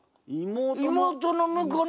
妹の婿に。